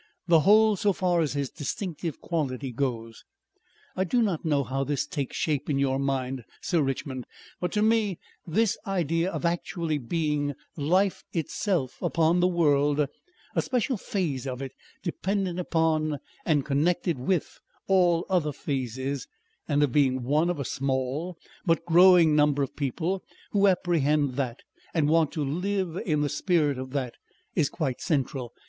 The whole so far as his distinctive quality goes. I do not know how this takes shape in your mind, Sir Richmond, but to me this idea of actually being life itself upon the world, a special phase of it dependent upon and connected with all other phases, and of being one of a small but growing number of people who apprehend that, and want to live in the spirit of that, is quite central.